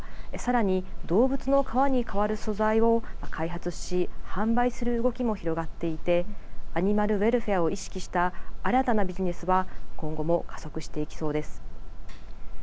さらに動物の革に代わる素材を開発し、販売する動きも広がっていてアニマルウェルフェアを意識した新たなビジネスは今後も加速していきそうです。